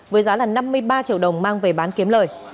với giá là năm mươi ba triệu đồng mang về bán kiếm lời